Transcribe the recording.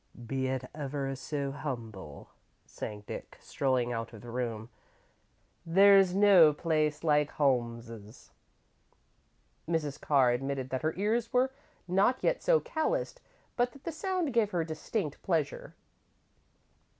"Be it ever so humble," sang Dick, strolling out of the room, "there's no place like Holmes's." Mrs. Carr admitted that her ears were not yet so calloused but that the sound gave her distinct pleasure.